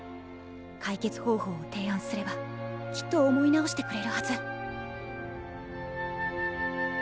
解決方法を提案すればきっと思い直してくれるはず。